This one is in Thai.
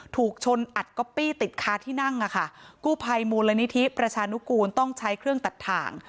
ถูกชนอัดก๊อปปี้ติดคาที่นั่งอ่ะค่ะกู้ภัยมูลนิธิประชานุกูลต้องใช้เครื่องตัดถ่าง